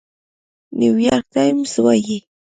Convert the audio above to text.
نيويارک ټايمز وايي،